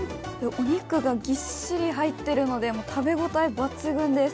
お肉がギッシリ入っているので食べ応え抜群です。